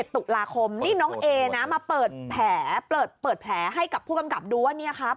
ตุลาคมนี่น้องเอนะมาเปิดแผลเปิดแผลให้กับผู้กำกับดูว่าเนี่ยครับ